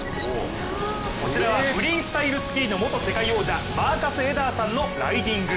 こちらはフリースタイルスキーの元世界王者マーカス・エダーさんのライディング。